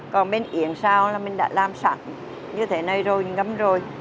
còn bên yên sau là mình đã làm sạch như thế này rồi ngấm rồi